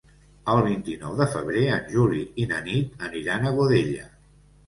El vint-i-nou de febrer en Juli i na Nit aniran a Godella.